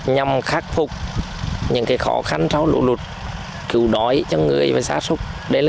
nhằm khắc phục những khó khăn sau lũ lụt cứu đói cho người và xác xúc